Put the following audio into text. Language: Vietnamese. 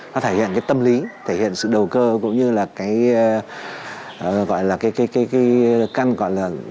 nó thể hiện cái tâm lý thể hiện sự đầu cơ cũng như là cái gọi là cái căn gọi là